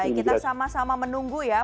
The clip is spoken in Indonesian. baik kita sama sama menunggu ya